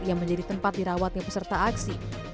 yang menjadi tempat dirawatnya peserta aksi